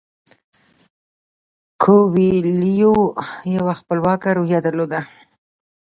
کویلیو یوه خپلواکه روحیه درلوده.